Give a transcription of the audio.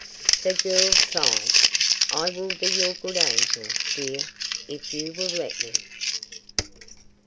The girl sighed. "I will be your Good Angel, dear, if you will let me."